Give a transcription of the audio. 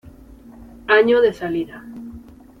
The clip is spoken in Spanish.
Año de Salida